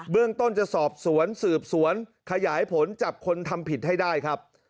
เรื่องต้นจะสอบสวนสืบสวนขยายผลจับคนทำผิดให้ได้ครับ